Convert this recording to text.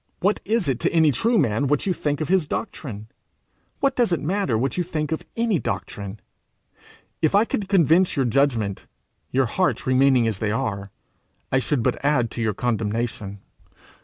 What is it to any true man what you think of his doctrine? What does it matter what you think of any doctrine? If I could convince your judgment, your hearts remaining as they are, I should but add to your condemnation.